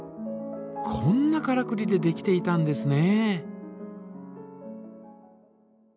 こんなからくりでできていたんですね。